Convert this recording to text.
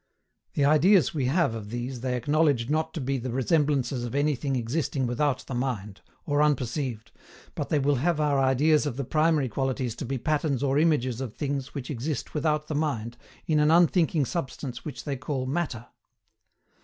The ideas we have of these they acknowledge not to be the resemblances of anything existing without the mind, or unperceived, but they will have our ideas of the primary qualities to be patterns or images of things which exist without the mind, in an unthinking substance which they call MATTER.